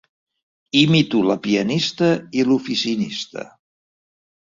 Imito la pianista i l'oficinista.